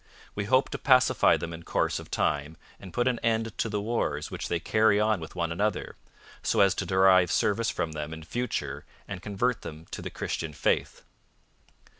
We hoped to pacify them in course of time and put an end to the wars which they carry on with one another, so as to derive service from them in future and convert them to the Christian faith.'